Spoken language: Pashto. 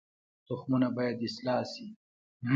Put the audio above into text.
تخمونه باید اصلاح شي